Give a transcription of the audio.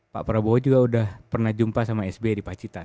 pak prabowo juga sudah pernah jumpa sama sby di pacitan